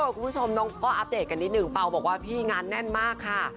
คุณผู้ชมน้องก็อัปเดตกันนิดนึงเปล่าบอกว่าพี่งานแน่นมากค่ะ